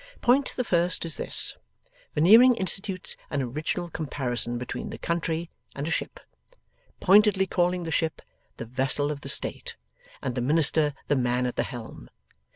Point the first is this. Veneering institutes an original comparison between the country, and a ship; pointedly calling the ship, the Vessel of the State, and the Minister the Man at the Helm.